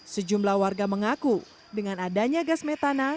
sejumlah warga mengaku dengan adanya gas metana